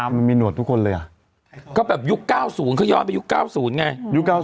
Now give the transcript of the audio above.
มันมีหนวดทุกคนเลยอ่ะก็แบบยุค๙๐เขาย้อนไปยุค๙๐ไงยุค๙๐